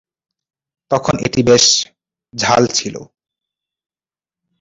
তখন এটি বেশ ঝাল ছিল।